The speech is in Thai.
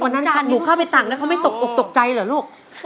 วันนั้นข้าวหมูข้าวไปต่างแล้วเขาไม่ตกใจเหรอลูก